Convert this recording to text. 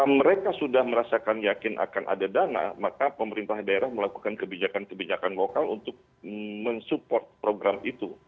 kalau mereka sudah merasakan yakin akan ada dana maka pemerintah daerah melakukan kebijakan kebijakan lokal untuk mensupport program itu